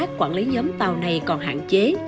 và công tác quản lý nhóm tàu này còn hạn chế